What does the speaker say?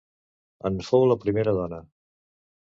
En fou la primera dona.